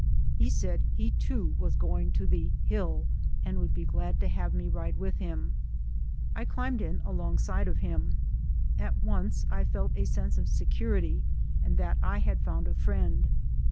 He said he too was going to "the hill" and would be glad to have me ride with him. I climbed in alongside of him. At once I felt a sense of security and that I had found a friend.